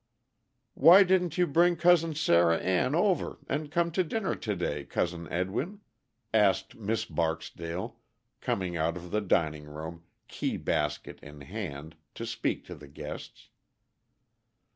"Why didn't you bring Cousin Sarah Ann over and come to dinner to day, Cousin Edwin?" asked Miss Barksdale, coming out of the dining room, key basket in hand, to speak to the guests.